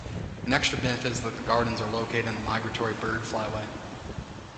An extra benefit is that the gardens are located in a migratory bird flyway.